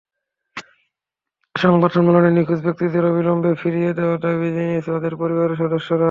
সংবাদ সম্মেলনে নিখোঁজ ব্যক্তিদের অবিলম্বে ফিরিয়ে দেওয়ার দাবি জানিয়েছেন তাঁদের পরিবারের সদস্যরা।